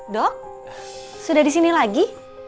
dok sudah di sini lagi